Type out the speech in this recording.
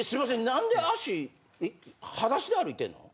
なんで足裸足で歩いてんの？